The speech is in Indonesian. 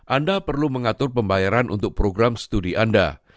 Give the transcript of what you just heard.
anda perlu mengatur pembayaran untuk program studi anda